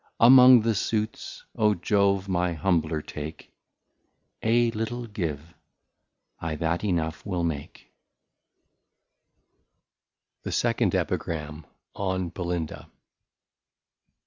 Among the Suits, O Jove, my humbler take; A little give, I that Enough will make. The Second EPIGRAM. On BILLINDA.